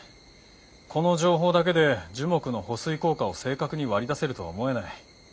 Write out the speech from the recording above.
この情報だけで樹木の保水効果を正確に割り出せるとは思えない。